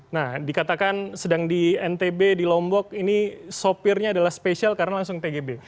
nah dikatakan sedang di ntb di lombok ini sopirnya adalah spesial karena langsung tgb